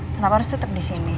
kenapa harus tetep disini